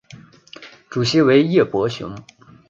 主席为叶柏雄。